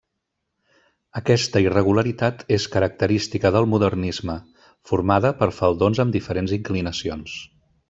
Aquesta irregularitat és característica del modernisme, formada per faldons amb diferents inclinacions.